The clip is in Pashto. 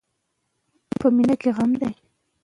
هغه مهال چې خلک ګډون وکړي، بې پروایي نه ډېریږي.